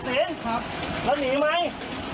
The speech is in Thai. แล้วหนีไหม